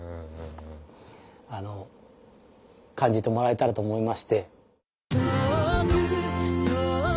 あの感じてもらえたらと思いまして。